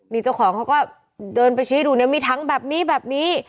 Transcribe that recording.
นี่เจ้าของเขาก็เดินไปชี้ดูเนี่ยมีทั้งแบบนี้แบบนี้